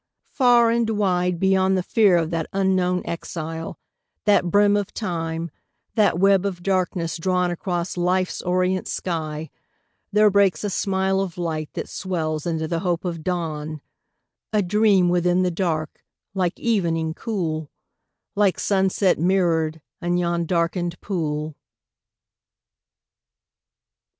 Far and wide, Beyond the fear of that unknown exile, That brim of Time, that web of darkness drawn Across Life's orient sky, there breaks a smile Of light that swells into the hope of dawn : A dream within the dark, like evening cool, Like sunset mirror'd in yon darken'd pool.